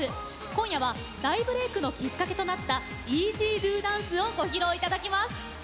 今夜は大ブレークのきっかけとなった「ＥＺＤＯＤＡＮＣＥ」をご披露いただきます。